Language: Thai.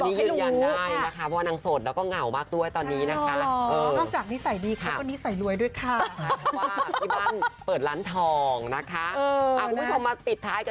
อันนี้ยืดยานได้นะคะที่หนังโสดและก็เหงากันมากยากมากตอนนี้นะคะ